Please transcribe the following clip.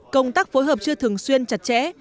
công tác phối hợp chưa thường xuyên chặt chẽ